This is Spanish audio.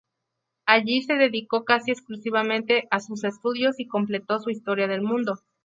Allí se dedicó casi exclusivamente a sus estudios y completó su historia del mundo.